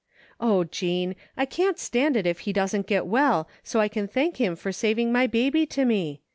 Oh, Jean, I can't stand it if he doesn't get well so I can thank him for saving my baby to me.